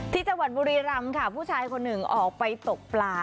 ที่จังหวัดบุรีรำค่ะผู้ชายคนหนึ่งออกไปตกปลา